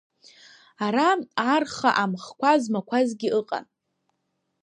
Ара, арха, амхқәа змақәазгьы ыҟан.